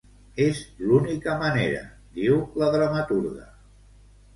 "És l'única manera", diu la dramaturga.